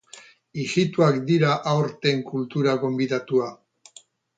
Ijitoak dira aurten kultura gonbidatua.